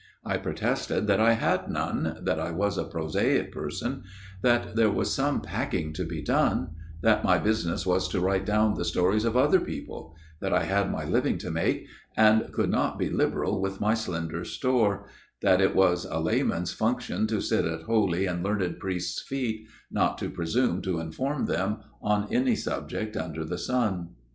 I protested that I had none ; that I was a prosaic person ; that there was some packing to be done ; that my business was to write down the stories of other people ; that I had my living to make and could not be liberal with my slender store ; that it was a layman's function to sit at holy and learned priests' feet, not to presume to inform them on any subject under the sun.